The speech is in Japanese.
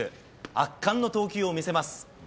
圧巻の投球を見せます。